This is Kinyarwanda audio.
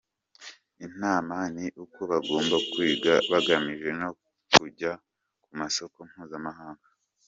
Inama ni uko bagomba kwiga bagamije no kujya ku masoko mpuzamahanga”.